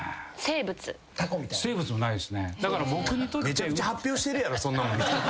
めちゃくちゃ発表してるやろそんなもん見たら。